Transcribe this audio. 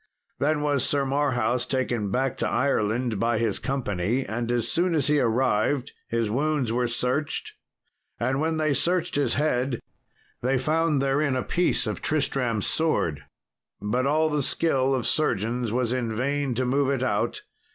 Then was Sir Marhaus taken back to Ireland by his company; and as soon as he arrived his wounds were searched, and when they searched his head they found therein a piece of Tristram's sword; but all the skill of surgeons was in vain to move it out.